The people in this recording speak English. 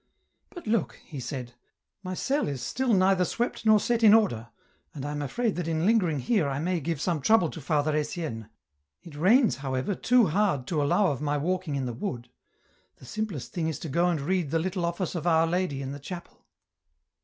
" But look," he said, '* my cell is still neither swept nor set in order, and I am afraid that in lingering here I may give some trouble to Father Etienne. It rains, however, too hard to allow of my walking in the wood ; the simplest thing is to go and read the Little Office of Our Lady in the chapel."